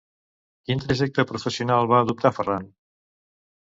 Quin trajecte professional va adoptar Ferran?